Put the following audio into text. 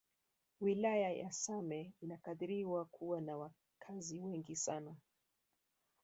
Wilaya ya Same inakadiriwa kuwa na wakazi wengi sana